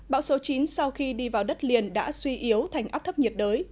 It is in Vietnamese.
bão số chín sau khi đi vào đất liền đã suy yếu thành áp thấp nhiệt đới